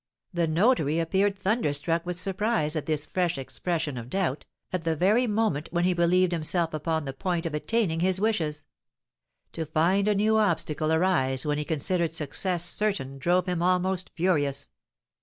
The notary appeared thunderstruck with surprise at this fresh expression of doubt, at the very moment when he believed himself upon the point of attaining his wishes; to find a new obstacle arise when he considered success certain drove him almost furious.